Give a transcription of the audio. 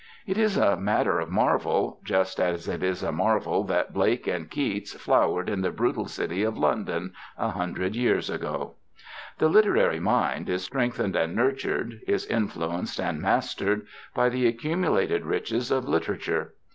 It is a matter of marvel, just as it is a marvel that Blake and Keats flowered in the brutal city of London a hundred years ago. The literary mind is strengthened and nurtured, is influenced and mastered, by the accumulated riches of literature.